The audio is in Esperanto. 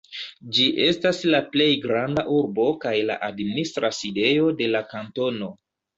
Ĝi estas la plej granda urbo kaj la administra sidejo de la kantono.